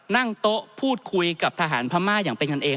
นั่งโต๊ะพูดคุยกับทหารพม่าอย่างเป็นกันเอง